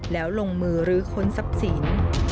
แล้วลงมือรื้อคนซับสิน